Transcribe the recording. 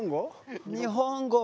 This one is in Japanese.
日本語？